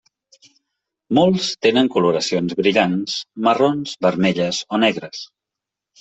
Molts tenen coloracions brillants marrons, vermelles o negres.